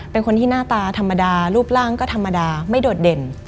เป็นคนที่หน้าตาธรรมดารูปร่างก็ธรรมดาไม่โดดเด่น